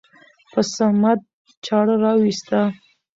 په صمد چاړه راوېسته.